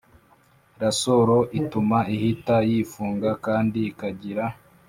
rasoro ituma ihita yifunga kandi ikagira